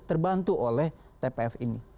terbantu oleh tpf ini